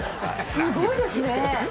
すごいですね。